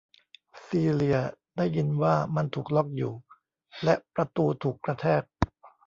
ซีเลียได้ยินว่ามันถูกล๊อคอยู่ และประตูถูกกระแทก